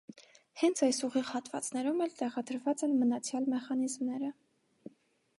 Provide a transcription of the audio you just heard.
Հենց այս ուղիղ հատվածներում էլ տեղադրված են մնացյալ մեխանիզմները։